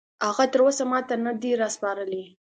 هغه تراوسه ماته نه دي راسپارلي